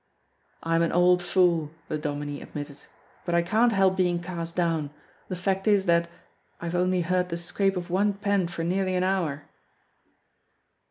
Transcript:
"I'm an old fool," the Dominie admitted, "but I can't help being cast down. The fact is that I have only heard the scrape of one pen for nearly an hour."